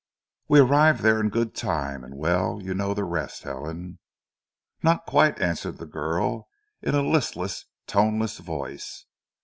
We arrived there in good time, and well, you know the rest, Helen." "Not quite," answered the girl in a listless, toneless voice.